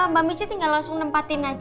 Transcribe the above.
mbak michi tinggal langsung nempatin aja